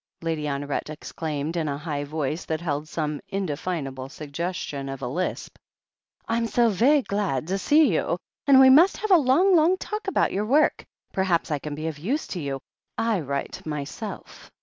Lady Honoret ex claimed, in a high voice that held some indefinable suggestion of a lisp. "Vm so ve'y glad to see you, and we must have a long, long talk about your work. Per haps I can be of use to you — I write myself."